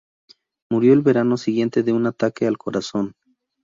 Murió el verano siguiente de un ataque al corazón.